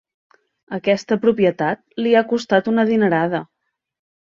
Aquesta propietat li ha costat una dinerada.